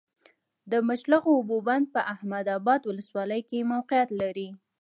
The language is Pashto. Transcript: د مچلغو اوبو بند په احمد ابا ولسوالۍ کي موقعیت لری